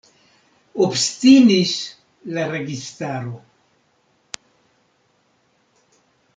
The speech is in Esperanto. Obstinis la registaro.